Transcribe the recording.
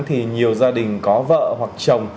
thì nhiều gia đình có vợ hoặc chồng